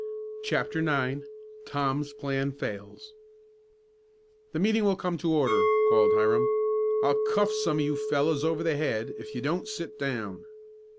CHAPTER IX TOM'S PLAN FAILS "The meeting will come to order!" called Hiram. "I'll cuff some of you fellows over the head if you don't sit down."